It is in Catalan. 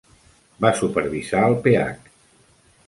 Va supervisar el Ph.